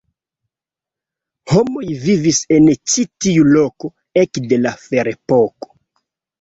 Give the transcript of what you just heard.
Homoj vivis en ĉi tiu loko ekde la ferepoko.